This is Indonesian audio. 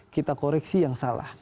kita koreksi yang salah